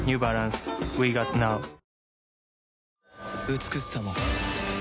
美しさも